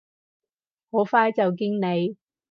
好快就見你！